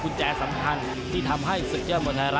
คุณแจสำคัญที่ทำให้ศึกเจอมวล